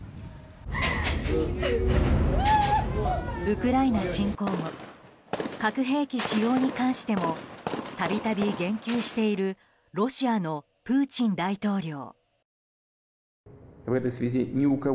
ウクライナ侵攻後核兵器使用に関してもたびたび言及しているロシアのプーチン大統領。